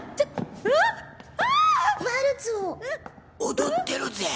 踊ってるぜ。